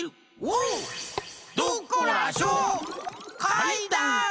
「かいだん」！